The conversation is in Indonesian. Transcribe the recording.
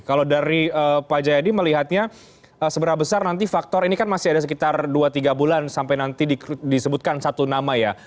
kalau dari pak jayadi melihatnya seberapa besar nanti faktor ini kan masih ada sekitar dua tiga bulan sampai nanti disebutkan satu nama ya